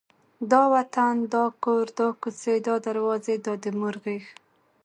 دا وطن، دا کور، دا کوڅې، دا دروازې، دا د مور غېږ،